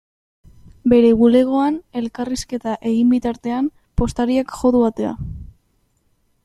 Bere bulegoan elkarrizketa egin bitartean, postariak jo du atea.